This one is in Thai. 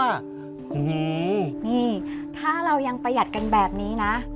โอ้โหนี่ถ้าเรายังประหยัดกันแบบนี้นะ